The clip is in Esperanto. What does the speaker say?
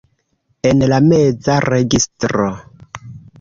En la meza registro.